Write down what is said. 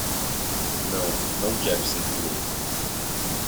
Não, não quero ser piloto.